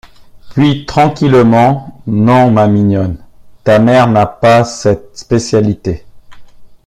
Puis, tranquillement: — Non, ma mignonne, ta mère n’a pas cette spécialité.